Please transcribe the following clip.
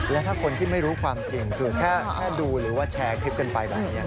และถ้าคนที่ไม่รู้ความจริงคือแค่ดูหรือว่าแชร์คลิปกันไปแบบนี้